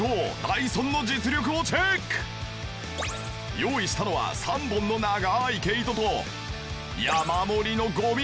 用意したのは３本の長い毛糸と山盛りのゴミ。